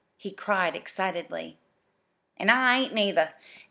he cried excitedly. "An' I ain't, neither.